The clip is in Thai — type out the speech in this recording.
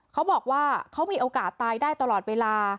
เขาบอกว่าเขามีโอกาสตายได้ตลอดเวลา